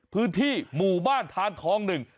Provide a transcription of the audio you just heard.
พื้นที่หมู่บ้านทานทองหนึ่ง